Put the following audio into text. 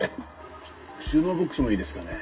「収納ボックスもいいですかね？」。